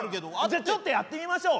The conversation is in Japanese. じゃあちょっとやってみましょう。